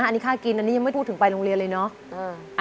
อันนี้ค่ากินอันนี้ยังไม่พูดถึงไปโรงเรียนเลยเนาะ